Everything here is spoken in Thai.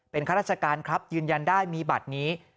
เป็นข้าราชการครับยืนยันได้มีบัตรนี้